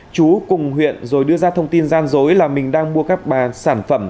chú cùng huyện rồi đưa ra thông tin gian dối là mình đang mua các bà sản phẩm